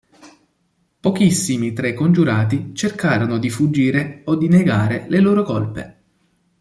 Pochissimi tra i congiurati cercarono di fuggire o di negare le loro colpe.